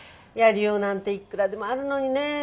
やりようなんていっくらでもあるのにね。